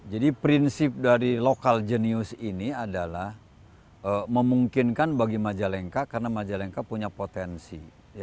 jadi prinsip dari lokal jenius ini adalah memungkinkan bagi majalengka karena majalengka punya potensi